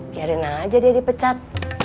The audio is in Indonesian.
biarin aja dia dipecat